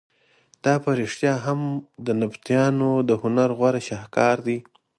دا په رښتیا هم د نبطیانو د هنر غوره شهکار دی.